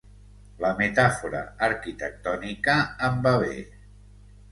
La metàfora arquitectònica em va bé.